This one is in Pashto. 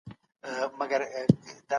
د ماشوم پوښتنو ته ځواب ورکړئ.